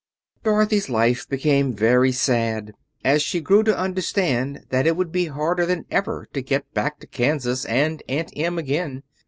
Dorothy's life became very sad as she grew to understand that it would be harder than ever to get back to Kansas and Aunt Em again.